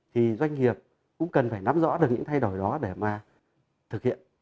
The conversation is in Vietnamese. thì doanh nghiệp cũng cần phải nắm rõ được những thay đổi đó để mà thực hiện